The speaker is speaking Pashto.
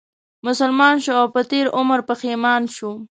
مسلمان شو او په تېر عمر پښېمان شو